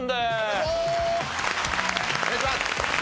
お願いします。